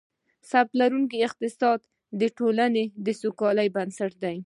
ثبات لرونکی اقتصاد، د ټولنې د سوکالۍ بنسټ دی